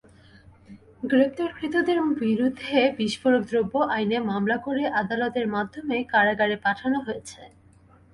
গ্রেপ্তারকৃতদের বিরুদ্ধে বিস্ফোরক দ্রব্য আইনে মামলা করে আদালতের মাধ্যমে কারাগারে পাঠানো হয়েছে।